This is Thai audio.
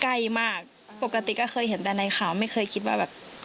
ใกล้มากปกติก็เคยเห็นแต่ในข่าวไม่เคยคิดว่าแบบ